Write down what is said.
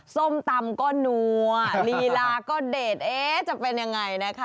ส้มตำก็นัวลีลาก็เด็ดจะเป็นอย่างไร